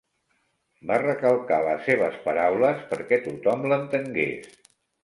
Va recalcar les seves paraules perquè tothom l'entengués.